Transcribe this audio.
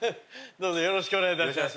どうぞよろしくお願い致します。